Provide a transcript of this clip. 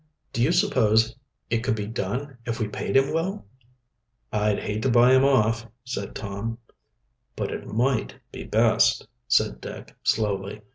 "Do you suppose it could be done if we paid him well?" "I'd hate to buy him off," said Tom. "But it might be best," said Dick slowly.